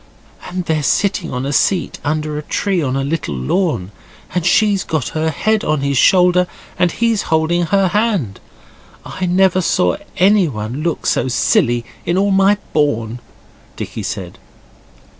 'And they're sitting on a seat under a tree on a little lawn, and she's got her head on his shoulder, and he's holding her hand. I never saw anyone look so silly in all my born,' Dicky said.